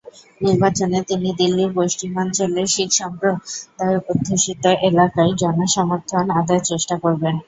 নির্বাচনে তিনি দিল্লির পশ্চিমাঞ্চলে শিখ সম্প্রদায় অধ্যুষিত এলাকায় জনসমর্থন আদায়ের চেষ্টা করবেন।